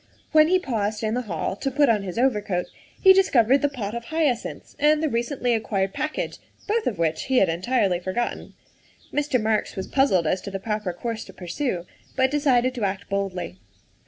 When he paused in the hall to put on his overcoat he discovered the pot of hyacinths and the recently acquired package, both of which he had entirely forgotten. Mr. Marks was puzzled as to the proper course to pursue, but decided to act boldly.